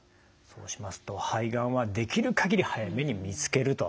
そうしますと肺がんはできる限り早めに見つけると。